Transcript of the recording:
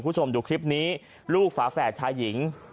คุณผู้ชมดูคลิปนี้ลูกฝาแฝดชายหญิง